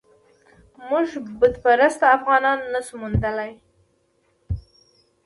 موږ بت پرست افغانان نه شو موندلای.